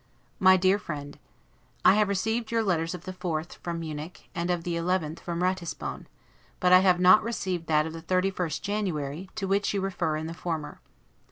MY DEAR FRIEND: I have received your letters of the 4th, from Munich, and of the 11th from Ratisbon; but I have not received that of the 31st January, to which you refer in the former.